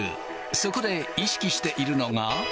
そこで意識しているのが。